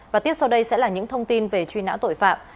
và tiếp sau đây sẽ là những thông tin về truy nã tội phạm